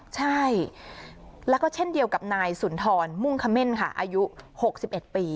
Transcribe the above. ใช่แล้วก็เช่นเดียวกับนายสุนทรมุ่งคะเม่นค่ะอายุหกสิบเอ็ดปี